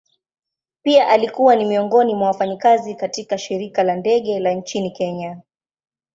Pia alikuwa ni miongoni mwa wafanyakazi katika shirika la ndege la nchini kenya.